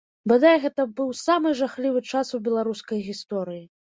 Бадай, гэта быў самы жахлівы час у беларускай гісторыі.